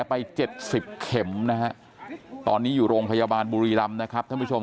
ไป๗๐เข็มนะฮะตอนนี้อยู่โรงพยาบาลบุรีรำนะครับท่านผู้ชม